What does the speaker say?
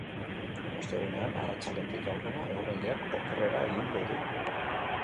Ostegunean, arratsaldetik aurrera eguraldiak okerrera egingo du.